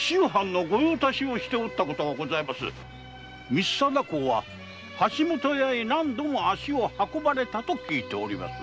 光貞公は橋本屋へ何度も足を運ばれたと聞いております。